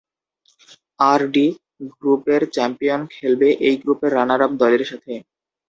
আর D গ্রুপের champion খেলবে এই গ্রুপের রানার-আপ দলের সাথে।